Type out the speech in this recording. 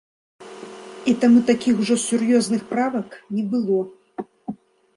І таму такіх ужо сур'ёзных правак не было.